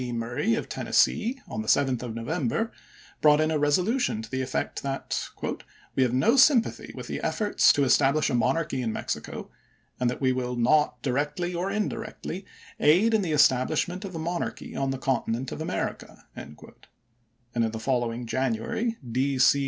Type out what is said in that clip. Murray of Tennessee, on the 7th of November, brought in a resolution to the effect that "we have no sympathy with the efforts to PhOTson, establish a monarchy in Mexico, and that we will " ofufe7 not, directly or indirectly, aid in the establishment Rep.e6i7.n'" of a monarchy on the continent of America "; and in the following January D. C.